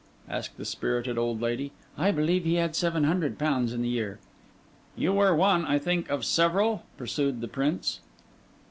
asked the spirited old lady. 'I believe he had seven hundred pounds in the year.' 'You were one, I think, of several?' pursued the Prince.